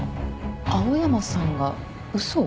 青山さんが嘘を？